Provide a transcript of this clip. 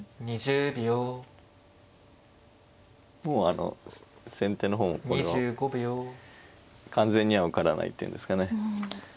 もうあの先手の方もこれは完全には受からないっていうんですかね。